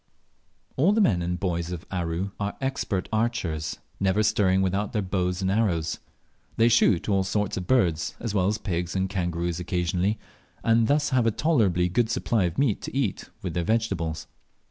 All the men and boys of Aru are expert archers, never stirring without their bows and arrows. They shoot all sorts of birds, as well as pigs and kangaroos occasionally, and thus have a tolerably good supply of meat to eat with their vegetables.